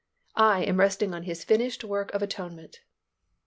I am resting in His finished work of atonement."